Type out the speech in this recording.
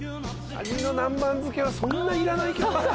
鯵の南蛮漬けはそんないらないけど。